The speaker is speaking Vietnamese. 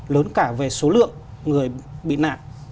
lớn cả về số lượng người bị nạn